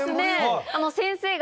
先生が。